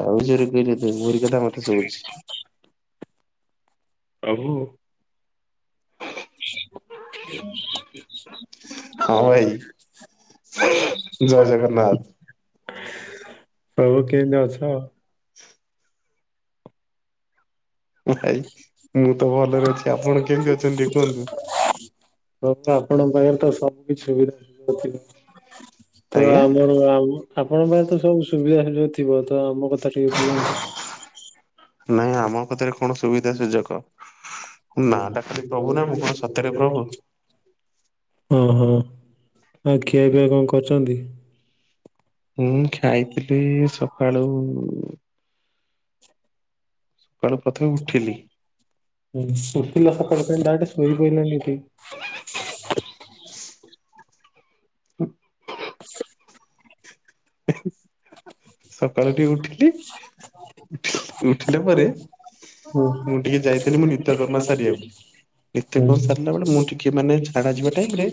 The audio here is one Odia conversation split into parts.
ଆଉରି [unintelligible] ମୋରି କଥା ମୋତେ ଶୁଭୁଚି। ପ୍ରଭୁ। ହଁ ଭାଇ ଜୟ [unintelligible] ଜଗନ୍ନାଥ। ପ୍ରଭୁ କେମିତି ଅଛ? ଭାଇ ମୁଁ ତ ଭଲରେ ଅଛି ଆପଣ କେମିତି ଅଛନ୍ତି ଟିକେ କୁହନ୍ତୁ? [unintelligible] ପ୍ରଭୁ ଆପଣଙ୍କରତ ସବୁ କିଛି ସୁବିଧା [unintelligible] ତ ଆଜ୍ଞା ଆମର ଆଉ ଆପଣ ପାଇଁ ତ ସବୁ ସୁବିଧା ସୁ ଥିବ ତ ଆମ କଥା ଟିକେ ନାଇଁ କଣ ଆମ କତିରେ କଣ ସୁବିଧା ସୁଯୋଗ ନାଟା ଖାଲି ପ୍ରଭୁ ନା ମୁଁ କଣ ସତରେ ପ୍ରଭୁ? ହଁ ହଁ ଆଉ ଖିଆ ପିଆ କଣ କରିଛନ୍ତି? ହଁ ଖାଇଥିଲି ସକାଳୁ [inaudible] ସକାଳୁ ପ୍ରଥମେ ଉଠିଲି। ହୁଁ ଶୁତିିଲ ସକାଳୁ କାଇଁ ଡାରେକ୍ଟ ଶୋଇ ପଇଲନି ଏଠି। ହୁଁ। [unintelligible] ସକାଳୁ ଟିକେ ଉଠିଲି ଉଠିଲା ପରେ ମୁଁ ଟିକେ ଯାଇଥିଲି ମୋ ନିତ୍ୟ କର୍ମ ସାରିଆକୁ। ଏତେ କଣ ସାରିଲା ବେଳେ ମୁଁ ଟିକେ ମାନେ ଝାଡା ଯିବା ଟାଇମରେ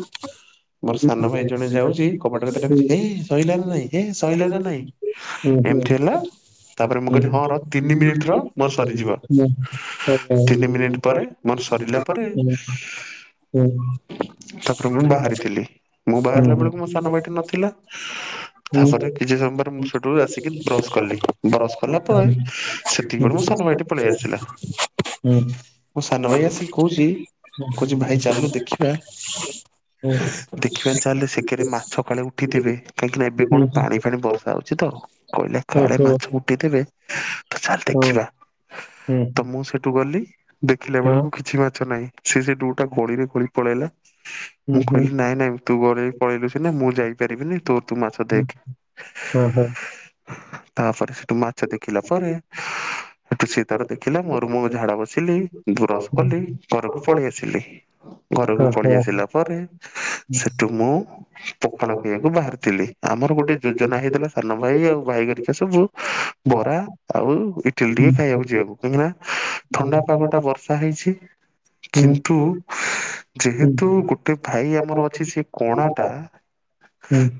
ମୋର ସାନ ଭାଇ ଜଣେ ଯାଉଛି କବାଟ କତିରେ ଡାକୁଚି ହେ ସଇଲା ନା ନାହିଁ ହେ ସ ହୁଁ ତାପରେ ମୁଁ କହିଲି ହଁ ର ତିନି ମିନିଟ ହୁଁ। ର ମୋର ସରିଯିବ। [unintelligible] ତିନି ମିନିଟ ପରେ ମୋର ସରିଲା ପରେ ହଁ ହୁଁ। ତାପରେ ମୁଁ ବାହାରିଥିଲି। ମୁଁ ହୁଁ ବାହାରିଲା ବେଳକୁ ମୋ ସାନ ଭାଇଟି ନଥିଲା। ହୁଁ। ତାପରେ କିଛି ସମୟ ପରେ ମୁଁ ସେଠୁ ଆସିକି ବ୍ରଶ କଲି ହୁଁ। ବ୍ରଶ କଲା ପରେ ସେତିକି ବେଳେ ମୋ ସାନ ଭାଇଟି ପଳେଇ [inaudible] ଆସିଲା ମୋ ସାନ ଭାଇ ଆସିକି ହୁଁ କହୁଛି କହୁଛି ଭାଇ ଚାଲୁ ଦେଖିବା [unintelligible] ଦେଖିବା ଚାଲେ ସେକେରେ ମାଛ କାଳେ [unintelligible] ଉଠିଥିବେ କାହିଁକି ନା ଏବେ କଣ ପାଣି ଫାଣି ବର୍ଷା ହଉଛି ତ କହିଲା କାଳେ ମାଛ ଉଠି ଥିବେ ତ ଚାଲ ଦେଖିବା। ତ ମୁଁ ସେଠୁ ଗଲି ଦେଖିଲା ବେଳକୁ କିଛି ମାଛ ନାହିଁ ସେ ସେ ଦୋଟା ଗୋଳିରେ ଗୋଳି ପଳେଇଲା। ମୁଁ କହିଲି ନାଇଁ ନାଇଁ ତୁ ଗରେ ପଳେଇଲୁ ସ ନା ମୁଁ ଯାଇପାରିବିନି ତୋର ତୁ ମାଛ ଦେଖେ ଓଁ ହୋ ତାପରେ ସେଠୁ ମାଛ ଦେଖିଲା ପରେ ଏଠୁ ସ ତାର ଦେଖିଲା ମୋରୁ ମୁ ଝାଡା ବସିଲି ବରସ କଲି ଘରକୁ ପଳେଇ ଆସିଲି। ଘରକୁ ପଳେଇ ଆସିଲା ପରେ ସେଠୁ ମୁଁ ପଖାଳ ପିଇବାକୁ ବାହାରିଥିଲି ଆମର ଗୋଟେ ଯୋଜନା ହେଇଥିଲା ସାନ ଭାଇ ଆଉ ଭାଇଗରିକା ସବୁ ବରା ଆଉ ଇଟିଲି ଟିକେ ଖାଇବାକୁ ଯିବାକୁ। କାହିଁକି ନା ଥଣ୍ଡା ପାଗ ଟା ବର୍ଷା ହେଇଛି। କିନ୍ତୁ ଯେହେତୁ ଗୋଟେ ଭାଇ ଆମର ଅ ସେ କଣାଟା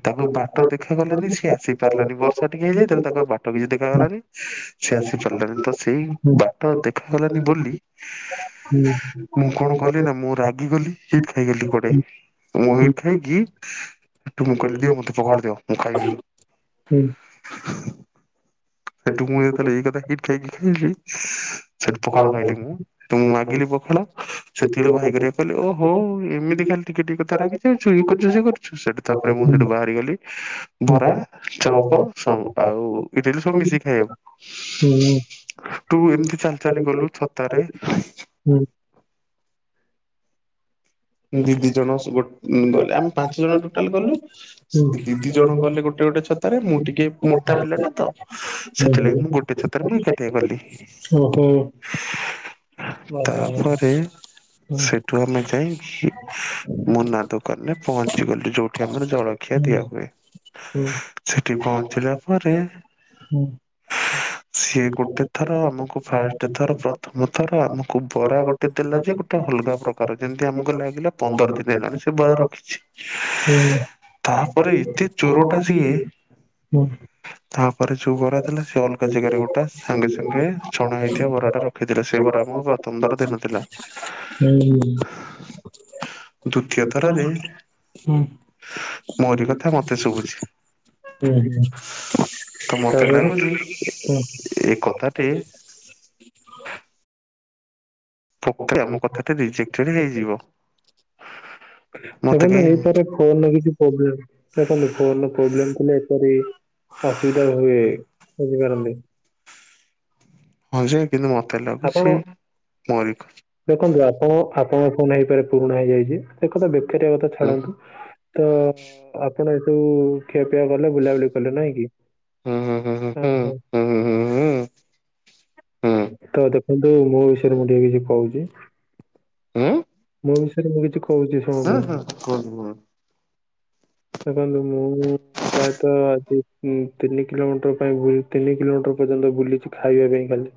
ତାକୁ ବାଟ ଦେଖାଗଲାନି ସେ ଆସି ପାରିଲାନି ବର୍ଷା ଟିକେ ହେଇଯାଇଥିଲା ତାକୁ ଆଉ ବାଟ କିଛି ଦେଖାାଗଲାନି ସେ ଆସି ପାରିଲାନି ତ ସେଇ ବାଟ ଦେଖାଗଲାନି ବୋଲି ହୁଁ। ମୁଁ କଣ କଲି ନା ମୁଁ ରାଗି ଗଲି ହିଟ ଖାଇଗଲି କୁଆଡେ। ମୁଁ ଏଇଠି ଥାଇକି ହେଠୁ ମୁଁ କହିଲି ମତେ ଫଖାଳ ଦିଅ ମୁଁ ଖାଇବି ନି। [inaudible] ହେଟୁ ମୁଁ ଯେତେଳେ ଏଇ କଥା ହିଟ ଖାଇକି ଖାଇଲି ସେଠି ପଖାଳ ଖାଇଲି ମୁଁ। ତ ମୁଁ ମାଗିଲି ପଖାଳ ସେତିକବେଳେ ଭାଇ କରିବାକୁ କହିଲେ ଓ ହୋ ଏମିତି ଖାଲି ଟିକେ ଟିକେ କଥାରେ ରାଗି ସେଛୁ ୟେ କରୁଛୁ ସେ କରୁଛୁ ସେଠୁ ତ ମୁଁ ସେଠୁ ବାହାରି ଗଲି ବରା ଚପ୍ ସବୁ ଆଉ ଇଟିଲି ମିଶି ଖାଇବାକୁ। ହୁଁ ତୁ ଏମିତି ଚାଲି ଚାଲି ଗଲୁ ଛତାରେ ଦିଦି ଜଣ ଗଲେ ଆମେ ପାଞ୍ଚ ଜଣ ଟୋଟାଲ ଗଲୁ ଦିଦି ଜଣ ଗଲେ ଗୋଟେ ଗୋଟେ ଛତା ତାରେ ମୁଁ ଟିକେ ମୋଟା ପିଲାଟା ତ ସେଥିଲାଗି ମୁଁ ଗୋଟେ ଛାତରେ ମୁଁ ଏକାଟିଆ ଗଲି। ଓହୋ। ତାପରେ ସେଠୁ ଆମେ ଯାଇଁ କି ମୁନା ଦୋକାନରେ ପହଞ୍ଚି ଗଲି ଯୋଉଠି ଆମର ଜଳଖିଆ ଦିଆ ହଏ। ହୁଁ। ସେଠି ପହଞ୍ଚିଲା ପରେ ହ ସିଏ ଗୋଟେ ଥର ଆମକୁ ଫାଷ୍ଟ ଥର ପ୍ରଥମ ଥର ଆମକୁ ବରା ଗୋ ଟେ ଦେଲା ଯେ ଗୋଟେ ଅଲଗା ପ୍ରକାର ଯେମ ତି ଆମକୁ ଲାଗିଲା ପନ୍ଦର ଦିନ ହେଲାଣି ସେ ବରା ରଖିଚି। ତାପରେ ଏତେ ଚୋରଟା ସିଏ ତାପରେ ଯୋଉ ଗରା ଥିଲା ସେ ଅଲଗା ଜେଗା ୟରି ବୋଟା ଗୋଟେ ସାଙ୍ଗେ ସାଙ୍ଗେ ଛଣା ହେଇଥିବା ବରା ଟା ରଖିଥିଲା ସେ ବରା ଆମକୁ ପ୍ରଥମଥର ଦେଇ ନଥିଲା। ହୁଁ। [inaudible] ଦ୍ଵିତୀୟ ଥରରେ ହୁଁ [inaudible] ମୋରି କଥା ମତେ ଉଁ ଶୁଭୁଛି ହୁଁ [inaudible] ତ ମତେ ତାପରେ ଲାଗୁଛି ଓହୋ ଏ କଥାଟି [inaudible] [unintelligible] ଆମ କଥାଟି ରିଜେକ୍ଟଟେଡ୍ ହେଇଯିବ। ମତେ ଦେଖନ୍ତୁ କାହିଁ ଏହି ପରେ ଫୋନ କିଛି ପ୍ରୋବ୍ଲେମ ଦେଖନ୍ତୁ ଫୋନ ପ୍ରୋବ୍ଲେମ ଥିଲେ ଏପରି ଅସୁବିଧା ହୁଏ ବଝିପାରନ୍ତି। ହଁ ଯେ କିନ୍ତୁ ମତେ ଲାଗୁଛି ଆପଣ ମୋରି ଦେଖନ୍ତୁ ଆପଣ ଆପଣଙ୍କ ଫୋନ ହେଇପାରେ ପୁରୁଣା ହେଇଯାଇଚି। ସେ କଥା ବେକାରିଆ କଥା ଛାଡନ୍ତୁ। ତ ଆପଣ ହେତୁ ଖିଆପିଆ କଲେ ବୁଲାବୁଲି କଲେ ନାଇଁ କି? ଆହୋ। ହୁଁ ଉଁ ଉଁ। ତ ଦେଖନ୍ତୁ ମୋ ବିଷୟରେ ମୁଁ ଟିକେ କିଛି କୋହୁଚି ମୋ ବିଷ ସେଠି ମୁଁ କିଛି କୋହୁଚି ଶୁଣନ୍ତୁ ସେ ତ ମୁଁ-ମୁଁ ପ୍ରାୟତଃ ଜି ତିନି କିଲୋମିଟର ପାଇଁ ତିନି କିଲୋମିଟର ପର୍ଯ୍ୟନ୍ତ ବୁଲିଚୁ ଖାଇବାପାଇଁ ଖାଲି।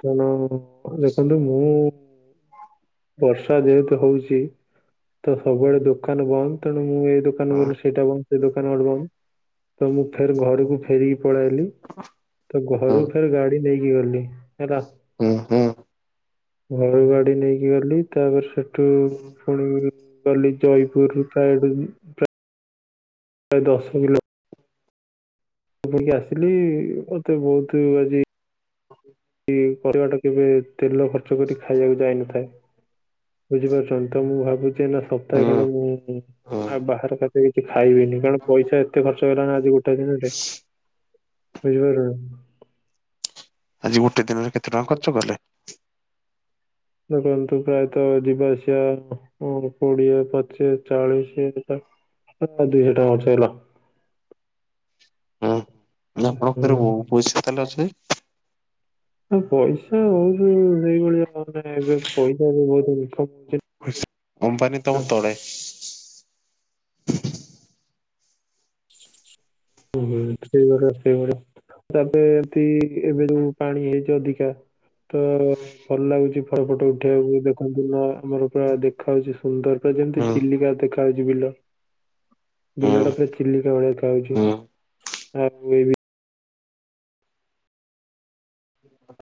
କାରଣ ଯେତେ ଦିନ ମୁଁ ବର୍ଷା ଯେହେତୁ ହୋଉଛି ତ ସବୁବେଳେ ଦୋକାନ ବନ୍ଦ। ତେଣୁ ମୁଁ ଏଇ ଦୋକାନ ଗଲେ ସେଇଟା ବନ୍ଦ ସେ ଦୋକାନ ଗୋଟେ ବନ୍ଦ। ତ ମୁଁ ଫେର ଘରକୁ ଫେରିକି ପଳେଆଇଲି। ତ ଘରୁ ଫେର ଗାଡି ନେଇକି ଗଲି ହେଲା। ଘରୁ ଗାଡି ନେଇକି ଗଲି ତାପରେ ସେ ଠୁ ପୁଣି ଗଲି ଜୟପୁରରୁ କାୟେଡୋଲି। ପ୍ରାୟେ ଦଶ କିଲୋ ଗାଳି ଆସିଲି ମତେ ବୋହୁତୁ ଆଜି [inaudible] କି କରିବା ଟା କେବେ ତେଲ ଖର୍ଚ୍ଚ କରି ଖାଇବାକୁ ଯାଇନଥାଏ। ବୁଝିପାରୁଚନ୍ତି ତ ମୁଁ ଭାବୁଚି ନା ସପ୍ତାହେ ଖଣ୍ଡେ ମୁଁ ଉଁ ଆଉ ବାହାର ଖାଦ୍ୟ କିଛି ଖାଇବିନି କାରଣ ପଇସା ଏତେ ଖ ର୍ଚ୍ଚହେଲାଣି ଆଜିି ଗୋଟାଏ ଦିନରେ ବୁଝିପାଇଲୁ ନା? ଆଜି ଗୋଟେ ଦିନରେ କେତେ ଟଙ୍କା ଖର୍ଚ୍ଚ କଲେ? ଦେଖନ୍ତୁ ପ୍ରାୟତଃ ଯିବା ଆସିବା ମୋର କୋଡିଏ ପଚିଶ ଚାଳିଶ ଦୁଇଶ [inaudible] ଦୁଇଶ ଟଙ୍କା ଖର୍ଚ୍ଚ ହେଇଗଲା। ଉଁ ହୁଁ [inaudible] ଆପଣଙ୍କ ପାଖରେ ବୋହୁ ପଇସା ତାହେଲେ ଅଛି? ଆଉ ପଇସା ହୋଉନି ସେଇଭଳିଆ ମାନେ ଏବେ ପଇ [unintelligible] ଅମ୍ବାନୀ ତମ ତଳେ ହୁଏ ତ ସେଇଭଳିଆ ସେଇଭଳିଆ ତାପରେ ତି ଏବେ ଯୋଉ ପାଣି ହେଇଚି ଅଧିକା ତ ଭଲ ଲାଗୁଚି ଫର ଫଟ ଉଠେଇିବାକୁ ଦେଖନ୍ତୁନା ଆମର ପୁରା ଦେଖା ହୋଉଚି ସୁନ୍ଦର ପୁରା ଯେମିତି ଚିଲିକା ଦେଖାଯାଉ ଏ ବିଲ ବିଲଟା ପୁରା ଚିଲିକା ଭଳି ଦେଖାହଉଚି। ଆଉ ଏ ବି [inaudible]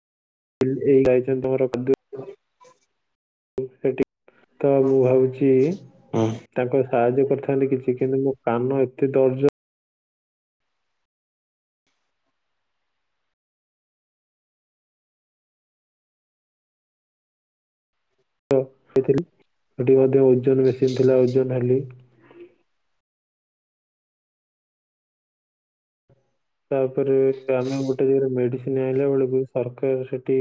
ଏ ଏଇ ଆଇଚନ୍ ତମର କନ୍ଧୁ ଓ ସେଠି ତ ମୁଁ ଭାବୁଚି ତାଙ୍କ ସାହାଯ୍ୟ କରିଥାନ୍ତି କିଛି କିନ୍ତୁ ମୋ କାନ ଏତେ ଦର୍ଜ ସେଥିଲି ସେଠି ମଧ୍ୟ ଓଜନ ମେସିନ୍ ଥିଲା ଓଜନ ହେଲି। ତାପରେ ଆମେ ଗୋଟେ ଜେଗାରେ ମେଡ଼ିସିନ୍ ଆଇଁଲେ ଗୋଟେ କୋଉ ସରକାର ସେଠି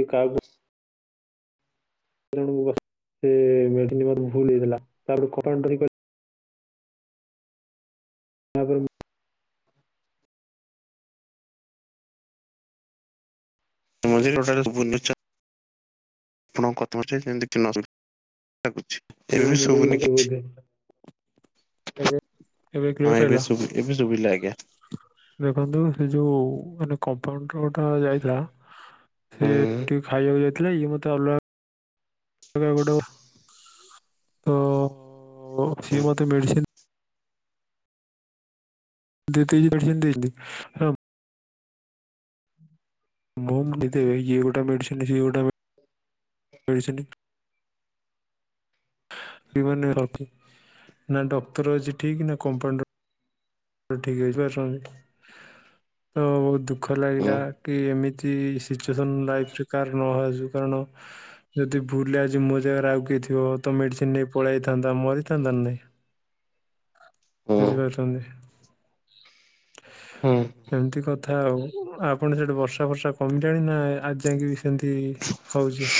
ଏ କାହାକୁ ଜଣୁ ଅ ସେ ମେଡ଼ିସିନ୍ ଗୋଟେ ଭୁଲ ହେଇଗଲା ତାପରେ କମ୍ପାଉଡ଼ର୍ ଇ କଇ ତାପରେ ମୁ ତ ମଝିରେ ଗୋଟେ ଆଡ଼ୁ ତ ବୁଲୁଚ। ଆପଣଙ୍କ କଥାବାର୍ତ୍ତା ଯେମିତି ଚିହ୍ନା ଲାଗୁଛି। ମୋ ଏବେ ବି ମୁଣ୍ଡ ଶୁବୁନି ବିନ୍ଧା କିଛି। ବୋଧେ ଏବେ ହଁ କ୍ଲିୟର ହେଲା ଏବେ ଶୁବି ଏବେ ଶୁବିଲା ଆଜ୍ଞା। ଦେଖନ୍ତୁ ସେ ଯୋଉ ମାନେ କମ୍ପାଉଣ୍ଡର ଗୋଟାକ ଯାଇଥିଲା ସେ ହୁଁ ଟିଉ ଖାଇଆକୁ ଯାଇଥିଲା ଇଏ ମୋତେ ଅଲଗା ଏବା ଗୋଟେ ବ ତ ହୁଁ ସିଏ ମତେ ମେଡି଼ସିନ୍ ଦେ ତିଜ୍ ଏଡି଼ସିନ୍ ଦେଲି ହ ମୁଁ ଦେଇଦେବେ ଇଏ ଗୋଟା ମେଡ଼ିସିନ୍ ସିଏ ଗୋଟା ମେ ମେଡି଼ସିନି ବି ମାନେ ରଖି ନାଁ ଡକ୍ତର୍ ଅଛି ଠିକ୍ ନାଁ କମ୍ପାଉଣ୍ଡ ତ ଠିକ୍ ଅଛି ବା ସମତେ ତ ବହୁତ ଦୁଃଖ ହୁଁ ଲାଗିଲା କି ଏମିତି ସିଚୁଏସନ୍ ଲାଇଫ୍ ରେ କାହାର ନ ଆସୁ କାରଣ ଯଦି ଭୁଲରେ ଆଜି ମୋ ଜେଗାରେ ଆଉ କିଏ ଥିବ ତ ମେଡ଼ିସିନ୍ ନେଇ ପଳାଇଥାନ୍ତା ମରିଥାନ୍ତା ନା ନାଇଁ? ହୁଁ ବୁଝିପାରୁଚନ୍ତି? ହୁଁ। ଏମତି କଥା ଆଉ ଆପଣ ସେଠି ବର୍ଷା ଫର୍ଷା କମିଲାଣି ନାଁ ଆ ଯାଇଁକି ବି ସେମତି ହଉଚି।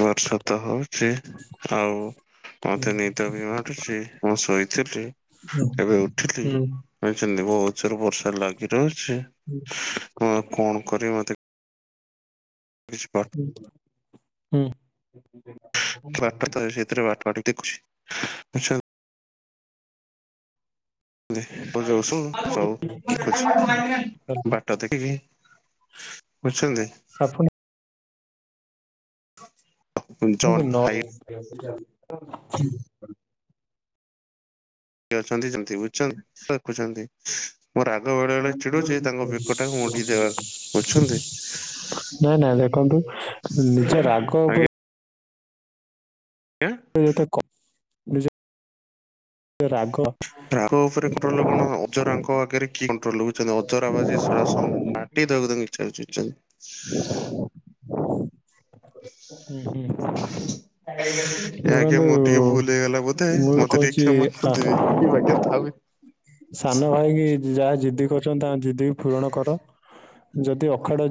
ବର୍ଷ ତ ହଉଚି ଆଉ ଅତେ ନିଦ ବି ମାଡ଼ୁଚି ମୁଁ ଶୋଇଥିଲି ହୁଁ ଏବେ ଉଠିଲି। ଆଇଚନ୍ତି ବୋହୁତ ଜୋର ବର୍ଷା ଲାଗି ରହୁଚି ମୁଁ ଆ କଣ କରିିବି ମତେ କିଛି ପା ହୁଁ ହୁଁ। ପାଟ ତ ସେଇଥିରେ ବାଟ ବାଟି ଦେଖୁଛି ଆଚ୍ଛା। ଦି ବୁ ଯଉ ସବୁ ସବୁ ଦେଖୁଛି ବାଟ ଦେଖିକି ବୁଝଛନ୍ତି? ଆପଣ ଜଣେ ଭାଇ ଏହେ ଯେ ନ କିଏ ଅଛନ୍ତି ଯେମତି ବୁଝଚନ୍ତି ରଖୁଚନ୍ତି। ବେକଟାକୁ ମୋଡି ଦେବାକୁ ବୁଝୁଛନ୍ତି [inaudible] ନାଇଁ ନାଁ ଦେଖନ୍ତୁ ନିଜ ରାଗ ଓପରେ ଆଜ୍ଞା ଇଏ ତ କ ନିଜେ କ ରାଗ ଓପରେ କଟୋଲ କଣ ଅଜରାଙ୍କ ଆଗରେ କି କଣ୍ଟ୍ରୋଲ୍ ବୁଝଛନ୍ତି ଅଜରା ବା ସେ ସରା ସବୁ ବା ଟି ତାକୁ ତାଙ୍କୁ ଇଚନ୍ ଚିଚନ୍। ମାଢ଼ି ବଉ ହୁଁ ହୁଁ ଆଜ୍ଞା ଦେଖନ୍ତୁ ମୋର ଟିକେ ଭୁଲ ହେଇଗଲା ବୋଧେ ମୁଁ ମତେ ଟିକେ କହୁଚି ଇ କ୍ଷମା ଆ କରିଦେବେ କି ଆଜ୍ଞା ଥାଉ। ସାନ ଭାଇ କି ଯାହା ଜିଦି କରୁଚନ୍ତି ତା ଦେଇଦେକି ପୂରଣ କର ଯଦି ଅଖାଡୁଆ ଜିଦ୍